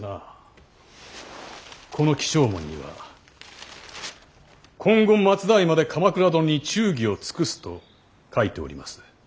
この起請文には今後末代まで鎌倉殿に忠義を尽くすと書いております。